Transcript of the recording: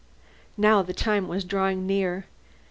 Now the time was drawing near.